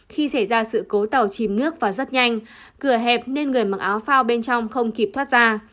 khi xảy ra sự cố tàu chìm nước và rất nhanh cửa hẹp nên người mặc áo phao bên trong không kịp thoát ra